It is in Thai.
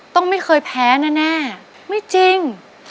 ต้องไม่เคยแพ้แน่ไม่จริง